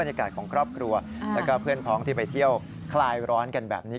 ยากาศของครอบครัวแล้วก็เพื่อนพ้องที่ไปเที่ยวคลายร้อนกันแบบนี้